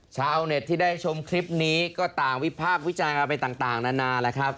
ชาวเน็ตที่ได้ชมคลิปนี้ก็ต่างวิพากษ์วิจารณ์กันไปต่างนานาแล้วครับ